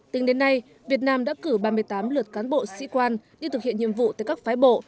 tính đến nay việt nam đã cử ba mươi tám lượt cán bộ sĩ quan đi thực hiện nhiệm vụ tới các phái bộ